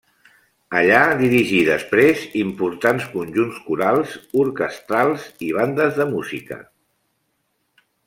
Allà dirigí després importants conjunts corals, orquestrals i bandes de música.